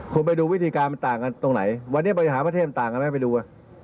คุณไปดูวิธีการมันต่างกันตรงไหนวันนี้บริหารประเทศต่างกันไหมไปดู